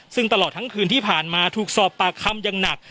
ซึ่งตลอดทั้งคืนที่ผ่านมาถูกสอบปากคำอย่างหนัก